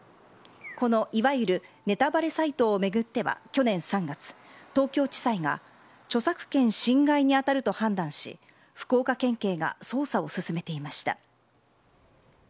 この、いわゆるネタバレサイトを巡っては去年３月東京地裁が著作権侵害に当たると判断し福岡県警が捜査を進めていました。